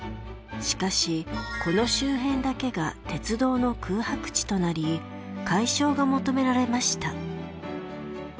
しかしこの周辺だけが鉄道の空白地となり解消が求められました。